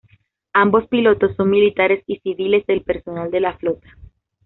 Ambos pilotos son militares y civiles del personal de la flota.